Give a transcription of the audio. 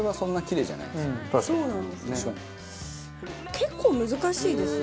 結構難しいですね。